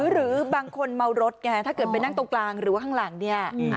หรือบางคนเมารถไงถ้าเกิดไปนั่งตรงกลางหรือว่าข้างหลังเนี่ย